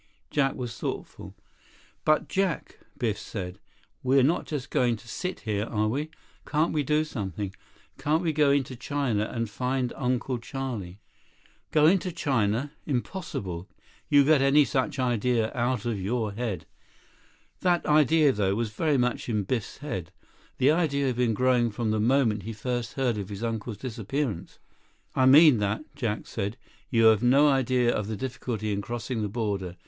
Jack was thoughtful. "But Jack," Biff said, "we're not just going to sit here, are we? Can't we do something? Can't we go into China and find Uncle Charlie?" "Go into China? Impossible. You get any such idea out of your head." That idea, though, was very much in Biff's head. The idea had been growing from the moment he first heard of his uncle's disappearance. "I mean that," Jack said. "You have no idea of the difficulty in crossing the border.